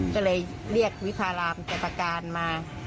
ก็เลยเรียกวิทยาลามจัตรการมา